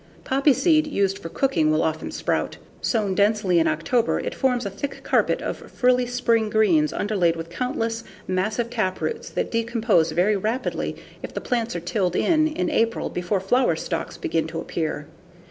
Poppy seed used for cooking will often sprout. Sown densely in October, it forms a thick carpet of frilly spring greens underlaid with countless massive taproots that decompose very rapidly if the plants are tilled in in April before flower stalks begin to appear.